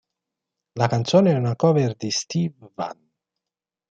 La canzone è una cover di Stevie Vann.